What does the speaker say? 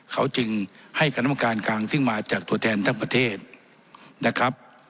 เขาจึงให้คณะกรรมการกลางซึ่งมาจากตัวแทนทั้งประเทศนะครับ